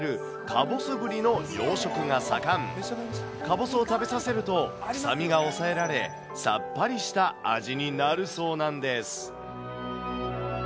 かぼすを食べさせると臭みが抑えられ、さっぱりした味になるそうなんです。